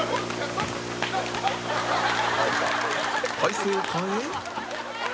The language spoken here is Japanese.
体勢を変え